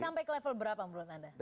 sampai ke level berapa menurut anda